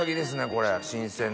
これ新鮮な。